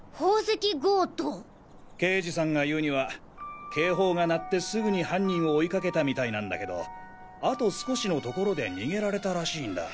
刑事さんが言うには警報が鳴ってすぐに犯人を追いかけたみたいなんだけどあと少しのところで逃げられたらしいんだ。